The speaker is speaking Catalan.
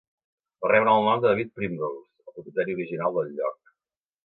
Va rebre el nom de David Primrose, el propietari original del lloc.